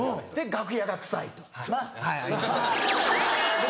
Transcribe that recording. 楽屋が臭いうん。